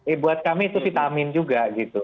eh buat kami itu vitamin juga gitu